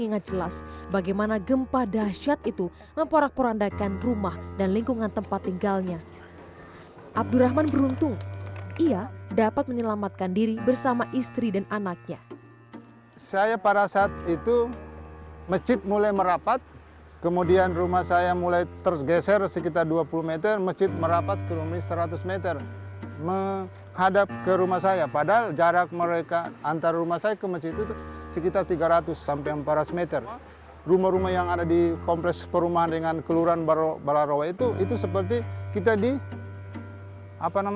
ini yang tinggal tanah yang dari atas digusur ke bawah terus posisi kebun saya dipindah di tanah bawah sana